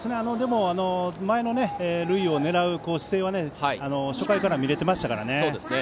前の塁を狙う姿勢は初回から見られていましたからね。